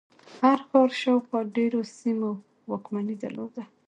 هر ښار شاوخوا ډېرو سیمو واکمني درلوده.